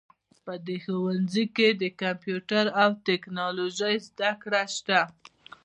په دې ښوونځي کې د کمپیوټر او ټکنالوژۍ زده کړه شته